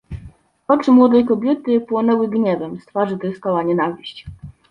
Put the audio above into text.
"Oczy młodej kobiety płonęły gniewem, z twarzy tryskała nienawiść."